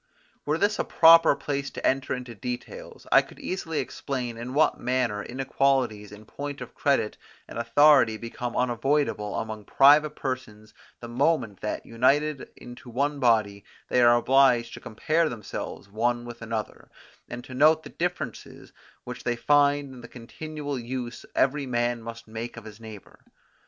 Were this a proper place to enter into details, I could easily explain in what manner inequalities in point of credit and authority become unavoidable among private persons the moment that, united into one body, they are obliged to compare themselves one with another, and to note the differences which they find in the continual use every man must make of his neighbour.